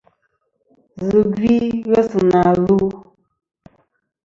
Zɨ gvi ghesi na lu.